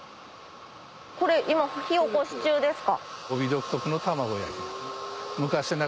これ今火起こし中ですか？